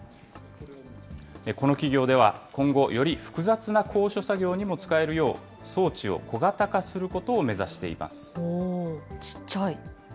この企業では今後、より複雑な高所作業にも使えるよう、装置を小型化することを目指ちっちゃい。